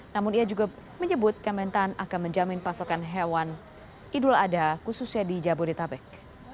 namun ia juga menyebut kementan akan menjamin pasokan hewan idul adha khususnya di jabodetabek